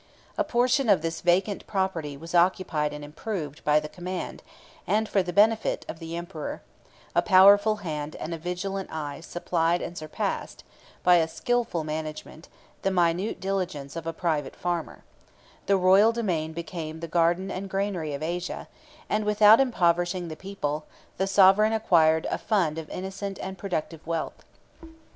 A portion of this vacant property was occupied and improved by the command, and for the benefit, of the emperor: a powerful hand and a vigilant eye supplied and surpassed, by a skilful management, the minute diligence of a private farmer: the royal domain became the garden and granary of Asia; and without impoverishing the people, the sovereign acquired a fund of innocent and productive wealth.